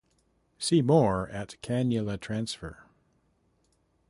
See more at Cannula transfer.